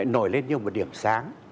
nói lên như một điểm sáng